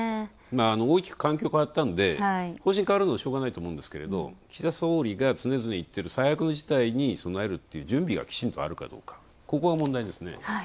大きく環境が変わったので、方針が変わるのはしょうがないと思うんですけど、岸田総理が常々言っている最悪の事態に備えるという準備がきちんとあるかどうか、ここが問題ですね。